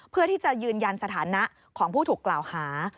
เพื่อที่จะยืนยันสถานะของผู้ถูกกล่าวหา